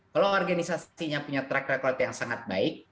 kalau organisasinya punya track record yang sangat baik